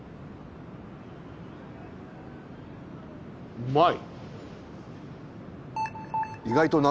うまい。